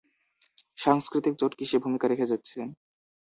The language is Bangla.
সাংস্কৃতিক জোট কিসে ভূমিকা রেখে যাচ্ছে?